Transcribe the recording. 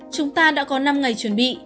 chúng ta đã có năm ngày chuẩn bị